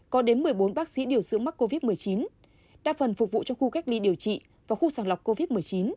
có đến một mươi bốn bác sĩ điều dưỡng mắc covid một mươi chín đa phần phục vụ trong khu cách ly điều trị và khu sàng lọc covid một mươi chín